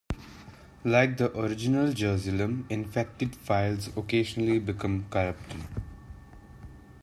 Like the original Jerusalem, infected files occasionally become corrupted.